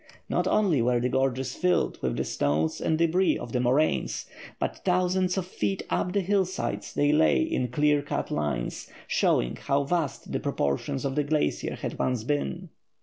Not only were the gorges filled with the stones and débris of the moraines, but thousands of feet up the hill sides they lay in clear cut lines, showing how vast the proportions of the glacier had once been.